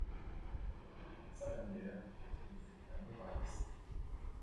À sa manière, il fut un moraliste.